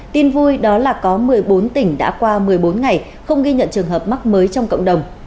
tin vui đó là có một mươi bốn tỉnh đã qua một mươi bốn ngày không ghi nhận trường hợp mắc mới trong cộng đồng